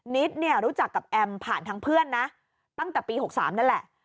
นิดเนี่ยรู้จักกับแอมผ่านทางเพื่อนนะตั้งแต่ปี๖๓นั่นแหละ